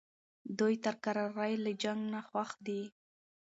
دوی تر کرارۍ له جنګ نه خوښ دي.